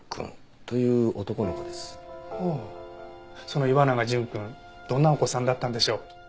その岩永純くんどんなお子さんだったんでしょう？